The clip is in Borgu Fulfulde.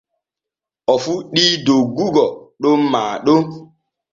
O fuɗɗi doggugo ɗon maa ɗon.